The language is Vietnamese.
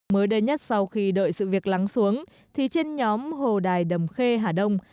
mới đây nhất sau khi đợi sự việc lắng xuống thì trên nhóm hồ đài đầm khê hà đông